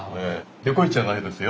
デゴイチじゃないですよ。